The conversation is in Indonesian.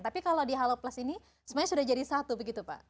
tapi kalau di halo plus ini sebenarnya sudah jadi satu begitu pak